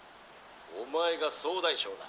お前が総大将だ」。